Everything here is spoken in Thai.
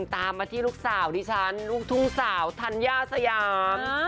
ตามมาที่ลูกสาวดิฉันลูกทุ่งสาวธัญญาสยาม